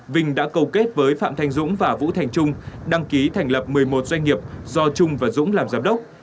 vinh đã cầu kết với phạm thanh dũng và vũ thành trung đăng ký thành lập một mươi một doanh nghiệp do trung và dũng làm giám đốc